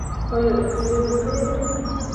ایا اکسرې مو کړې ده؟